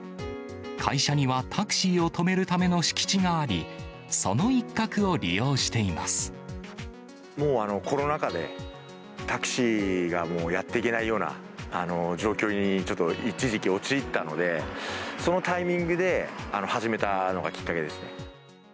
会社にはタクシーを止めるための敷地があり、その一角を利用してもうコロナ禍で、タクシーがもうやっていけないような状況にちょっと一時期、陥ったので、そのタイミングで始めたのがきっかけですね。